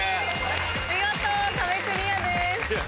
見事壁クリアです。